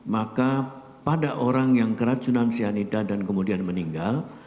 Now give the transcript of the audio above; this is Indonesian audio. maka pada orang yang keracunan cyanida dan kemudian meninggal